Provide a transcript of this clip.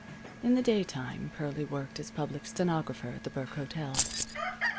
In the daytime Pearlie worked as public stenographer at the Burke Hotel.